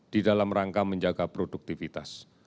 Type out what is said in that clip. di dalam rangka menjaga produktivitas